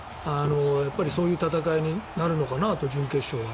そういう戦いになるのかなと準決勝は。